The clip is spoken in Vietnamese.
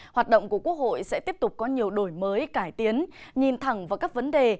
hoạt động của quốc hội sẽ tiếp tục có nhiều đổi mới cải tiến nhìn thẳng vào các vấn đề